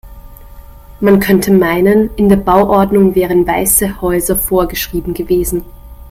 Man könnte meinen, in der Bauordnung wären weiße Häuser vorgeschrieben gewesen.